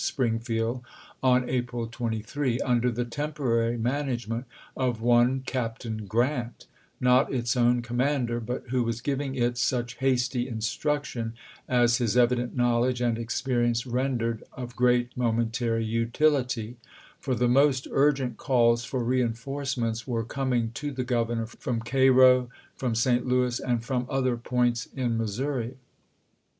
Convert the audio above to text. Springfield on April 23, under the temporary management of one Captain Grant, not its own commander, but who was giving it such hasty in struction as his evident knowledge and experience rendered of great momentary utility ; for the most urgent calls for reenforcements were coming to the Governor from Cairo, from St. Louis, and from other points in Missouri.